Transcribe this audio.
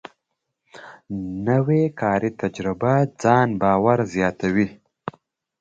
نوې کاري تجربه ځان باور زیاتوي